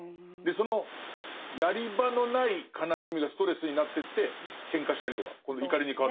そのやり場のない悲しみがストレスになってってケンカしたりとか。